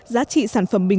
giá trị sản phẩm bình thường